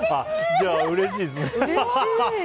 じゃあ、うれしいですね。